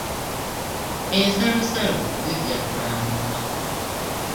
Ensalosalo zijja kulambibwa.